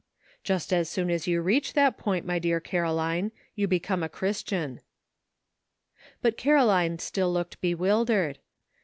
Just as soon as you reach that point, my dear Caroline, you become a Christian." But Caroline still looked bewildered.